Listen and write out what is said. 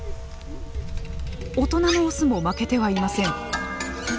大人のオスも負けてはいません。